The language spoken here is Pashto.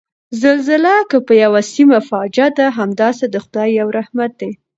زلزله که په یوه سیمه فاجعه ده، همداسې د خدای یو رحمت دی